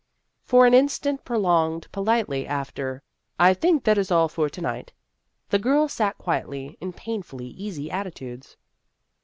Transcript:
For an instant prolonged politely after " I think that is all for to night," the girls sat quiet in painfully easy attitudes.